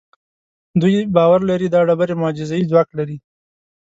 دوی باور لري دا ډبرې معجزه اي ځواک لري.